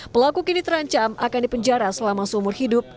pelaku kini terancam akan dipenjara selama seumur hidup